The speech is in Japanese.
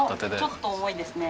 ちょっと重いですね。